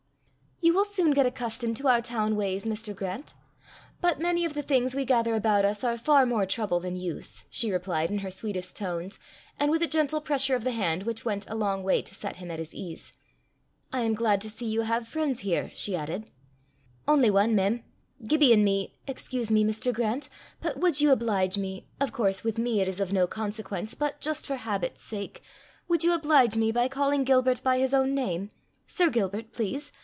"You will soon get accustomed to our town ways, Mr. Grant. But many of the things we gather about us are far more trouble than use," she replied, in her sweetest tones, and with a gentle pressure of the hand, which went a long way to set him at his ease. "I am glad to see you have friends here," she added. "Only ane, mem. Gibbie an' me " "Excuse me, Mr. Grant, but would you oblige me of course with me it is of no consequence, but just for habit's sake, would you oblige me by calling Gilbert by his own name Sir Gilbert, please.